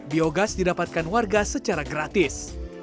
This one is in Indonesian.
biogas didapatkan warga secara gratis